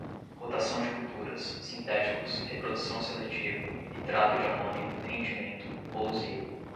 rotação de culturas, sintéticos, reprodução seletiva, nitrato de amônio, rendimento, pousio